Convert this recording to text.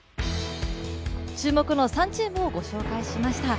注目の３チームを御紹介しました